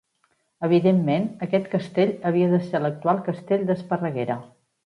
Evidentment, aquest castell havia de ser l'actual castell d'Esparreguera.